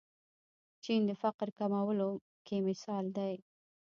چین د فقر کمولو کې مثال دی.